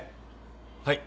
はい。